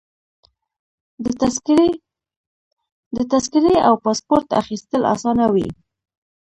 د تذکرې او پاسپورټ اخیستل اسانه وي.